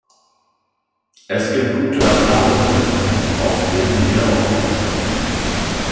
Es gibt gute Erfahrungen, auf denen wir aufbauen können.